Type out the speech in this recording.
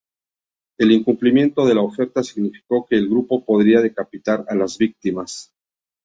El incumplimiento de la oferta significó que el grupo podría decapitar a las víctimas.